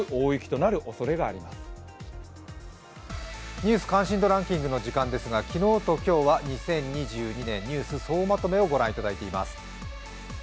「ニュース関心度ランキング」の時間ですが、昨日と今日は２０２２年ニュース総まとめをご覧いただいています。